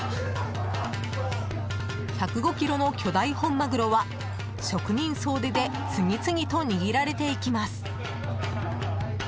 １０５ｋｇの巨大本マグロは職人総出で次々と握られていきます。